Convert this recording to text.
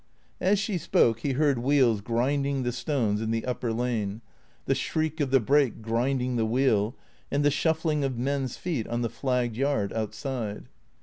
As she spoke he heard wheels grinding the stones in the upper lane, the shriek of the brake grinding the wheel, and the shuf fling of men's feet on the flagged yard outside.